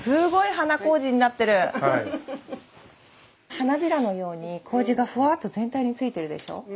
花びらのようにこうじがふわっと全体についてるでしょ？